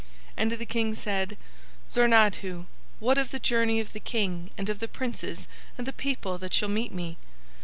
And the King said: "Zornadhu, what of the journey of the King and of the princes and the people that shall meet me?"